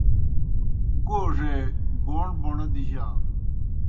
گوڙے بوݨ بوݨہ دِجَانوْ۔